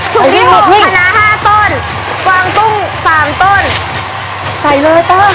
ถุงนี้หัวขนาดห้าต้นวางตุ้งสามต้นใส่เลยต้อง